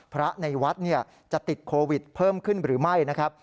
พระในวัดจะติดโควิดเพิ่มขึ้นหรือไม่นะครับ